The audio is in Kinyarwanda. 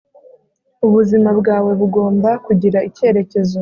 ubuzima bwawe bugomba kugira icyerekezo